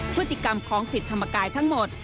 พฤติกรรมของสิทธิ์ธรรมกายทั้งหมด